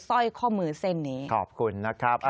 สร้อยข้อมือเส้นนี้ขอบคุณนะครับ